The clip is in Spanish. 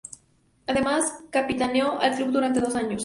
Además, capitaneó al club durante dos años.